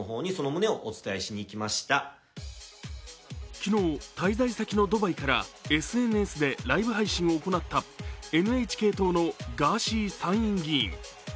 昨日、滞在先のドバイからＳＮＳでライブ配信を行ったＮＨＫ党のガーシー参院議員。